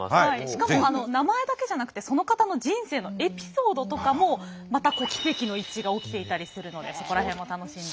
しかも名前だけじゃなくてその方の人生のエピソードとかもまた奇跡の一致が起きていたりするのでそこら辺も楽しんで。